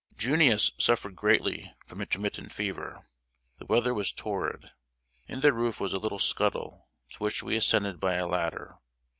"Junius" suffered greatly from intermittent fever. The weather was torrid. In the roof was a little scuttle, to which we ascended by a ladder.